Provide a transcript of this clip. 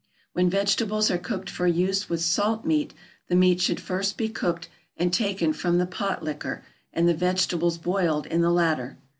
When vegetables are cooked for use with salt meat, the meat should first be cooked and taken from the pot liquor, and the vegetables boiled in the latter.